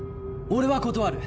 俺は断る！